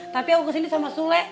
tapi aku kesini sama sule